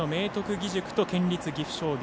義塾と県立岐阜商業。